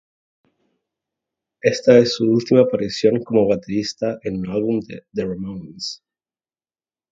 Esta es su última aparición como baterista en un álbum de The Ramones.